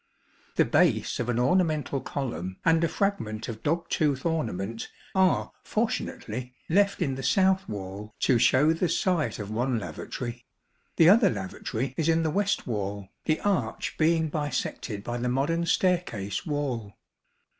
The base of an ornamental column and a fragment of dog tooth ornament are fortunately left in the south wall to show the site of one lavatory ; the other lavatory is in the west wall, the arch being bisected by the modern staircase wall.